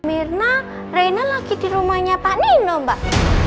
mirna reinhard lagi di rumahnya pak nino mbak